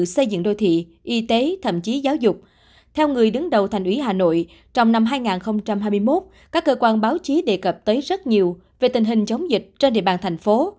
theo người đứng đầu thành ủy hà nội trong năm hai nghìn hai mươi một các cơ quan báo chí đề cập tới rất nhiều về tình hình chống dịch trên địa bàn thành phố